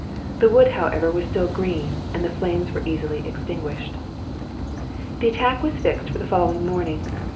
The wood, however, was still green, and the flames were easily extinguished. The attack was fixed for the following morning.